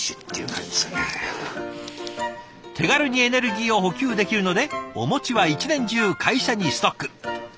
手軽にエネルギーを補給できるのでおは一年中会社にストック。